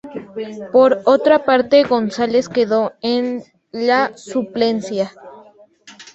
Por otra parte, González quedó en la suplencia.